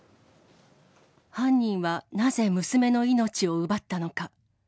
犯人はなぜ、娘の命を奪ったのか。